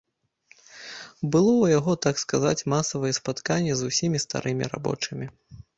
Было ў яго, так сказаць, масавае спатканне з усімі старымі рабочымі.